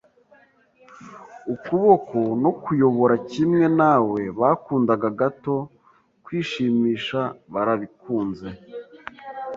ukuboko no kuyobora kimwe nawe. ” “Bakundaga gato kwishimisha, barabikunze.